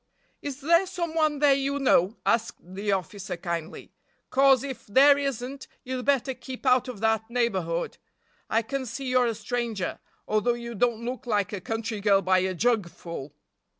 "Is there some one there you know?" asked the officer kindly, "'cause if there isn't you'd better keep out of that neighborhood. I can see you're a stranger, although you don't look like a country girl by a jug full!"